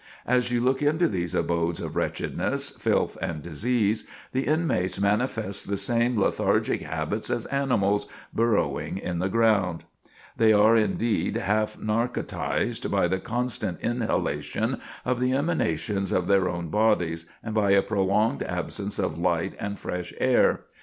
As you look into these abodes of wretchedness, filth and disease, the inmates manifest the same lethargic habits as animals, burrowing in the ground. They are, indeed, half narcotized by the constant inhalation of the emanations of their own bodies, and by a prolonged absence of light and fresh air.